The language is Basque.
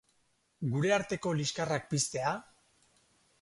Gure arteko liskarrak piztea?